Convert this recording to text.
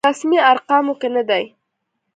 رسمي ارقامو کې نه دی.